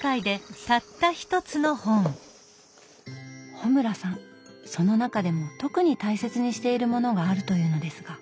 穂村さんその中でも特に大切にしているものがあるというのですが。